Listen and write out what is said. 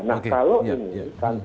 nah kalau ini